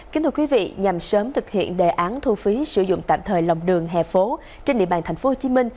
kính thưa quý vị nhằm sớm thực hiện đề án thu phí sử dụng tạm thời lòng đường hè phố trên địa bàn tp hcm